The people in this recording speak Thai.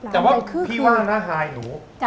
จับว่าพี่ว่านะไฮหนู